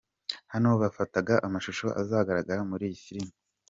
Hano bafataga amashusho azagaragara muri iyi filimi.